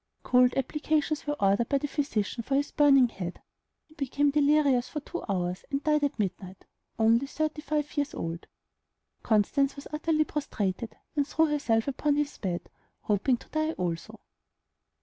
Cold applications were ordered by the physicians for his burning head; he became delirious for two hours, and died at midnight, only thirty five years old. Constance was utterly prostrated, and threw herself upon his bed, hoping to die also.